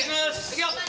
いくよ。